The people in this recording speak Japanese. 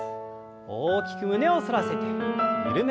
大きく胸を反らせて緩めます。